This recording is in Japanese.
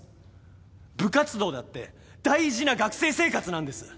部活動だって大事な学生生活なんです。